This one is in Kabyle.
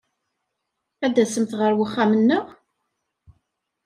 Ad tasemt ɣer wexxam-nneɣ?